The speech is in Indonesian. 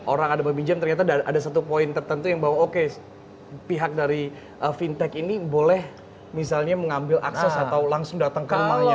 orang ada meminjam ternyata ada satu poin tertentu yang bahwa oke pihak dari fintech ini boleh misalnya mengambil akses atau langsung datang ke rumahnya